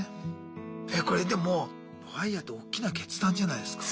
これでもＦＩＲＥっておっきな決断じゃないすか。